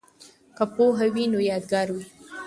که پوهه وي نو یادګار وي.